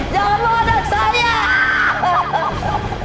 jangan membawa anak saya